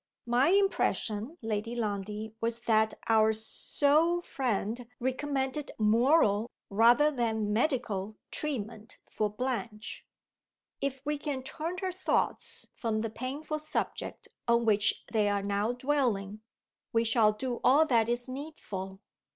"My impression, Lady Lundie, was that our so friend recommended moral, rather than medical, treatment for Blanche. If we can turn her thoughts from the painful subject on which they are now dwelling, we shall do all that is needful.